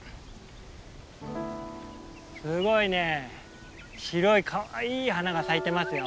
すごいねえ白いかわいい花が咲いてますよ。